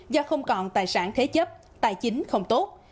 do không còn tài sản thế chấp tài chính không tốt